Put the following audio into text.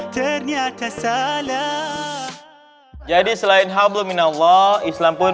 jadi selain hablo minallah islam pun